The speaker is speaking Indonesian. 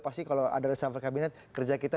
pasti kalau ada reshuffle kabinet kerja kita